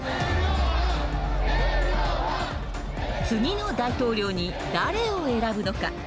次の大統領に誰を選ぶのか。